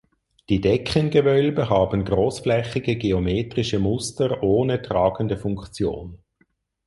Die Deckengewölbe haben großflächige geometrische Muster ohne tragende Funktion.